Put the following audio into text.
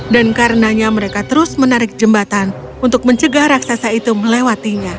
dan karenanya mereka terus menarik jembatan untuk mencegah raksasa itu melewatinya